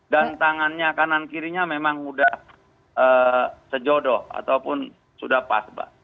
dan tangannya kanan kirinya memang sudah sejodoh ataupun sudah pas mbak